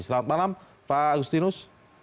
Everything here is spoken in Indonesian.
selamat malam pak agustinus